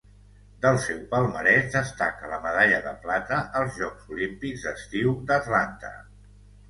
Del seu palmarès destaca la medalla de plata als Jocs Olímpics d'estiu d'Atlanta.